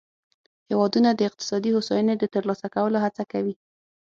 هیوادونه د اقتصادي هوساینې د ترلاسه کولو هڅه کوي